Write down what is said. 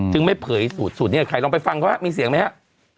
ไม่เผยสูตรสูตรนี้ใครลองไปฟังเขาฮะมีเสียงไหมฮะ